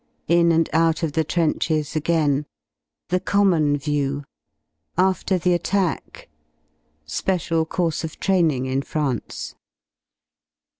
§ In and out of the trenches again. § The common view. § After the attack. §Special course of training in France.